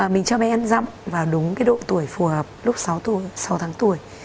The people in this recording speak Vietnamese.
mình cho bé ăn rậm vào đúng cái độ tuổi phù hợp lúc sáu tháng tuổi